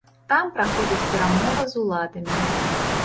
Там праходзяць перамовы з уладамі.